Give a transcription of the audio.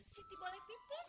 siti boleh pipis